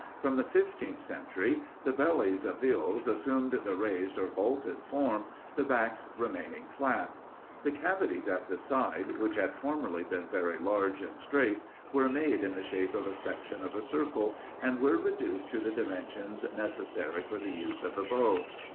From the fifteenth century the bellies of Viols assumed the raised or vaulted form, the backs remaining flat. The cavities at the side, which had formerly been very large and straight, were made in the shape of a section of a circle, and were reduced to the dimensions necessary for the use of the bow.